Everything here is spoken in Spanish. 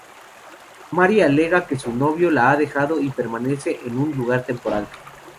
Mary alega que su novio la ha dejado y permanece en un lugar temporal.